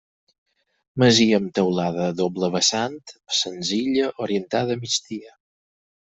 Masia amb teulada a doble vessant, senzilla, orientada a migdia.